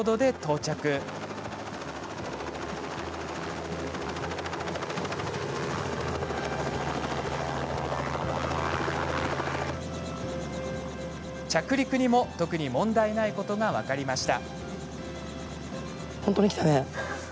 着陸にも特に問題ないことが分かりました。